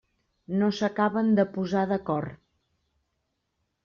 No s'acaben de posar d'acord.